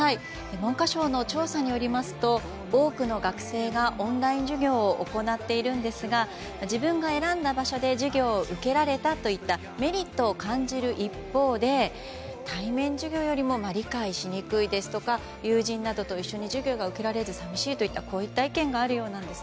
文科省の調査によりますと多くの学生がオンライン授業を行っているんですが自分が選んだ場所で授業を受けられるといったメリットを感じる一方で対面授業よりも理解しにくいですとか友人などと一緒に授業が受けられず寂しいといったこういった意見があるようです。